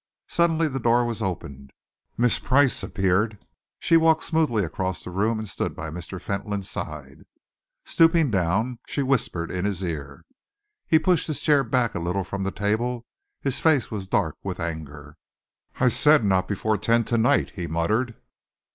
Suddenly the door was opened. Miss Price appeared. She walked smoothly across the room and stood by Mr. Fentolin's side. Stooping down, she whispered in his ear. He pushed his chair back a little from the table. His face was dark with anger. "I said not before ten to night," he muttered.